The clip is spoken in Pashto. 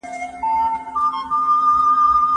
ځوانان سنوګر یا ټینس لوبه کول خوښوي.